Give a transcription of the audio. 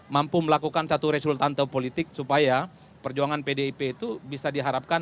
mampu melakukan satu resultante politik supaya perjuangan pdip itu bisa diharapkan